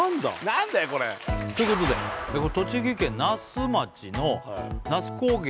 何だよこれ？ということでこれ栃木県那須町の那須高原